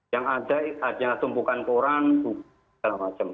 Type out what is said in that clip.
yang ada ada tumpukan koran buku segala macam